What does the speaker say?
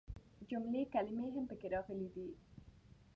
جملې ،کلمې هم پکې راغلي دي.